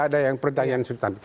ada yang pertanyaan